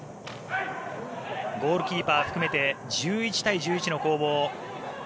ゴールキーパー含めて１１対１１の攻防。